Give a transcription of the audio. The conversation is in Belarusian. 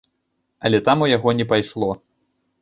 Але там у яго не пайшло.